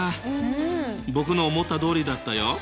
僕の思ったとおりだったよ！